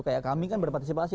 kayak kami kan berpartisipasi